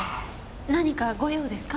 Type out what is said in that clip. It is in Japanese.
何かご用ですか？